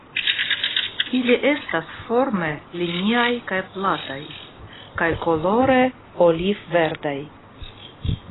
Ili estas forme liniaj kaj plataj kaj kolore oliv-verdaj.